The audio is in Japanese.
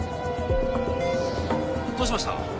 どうしました？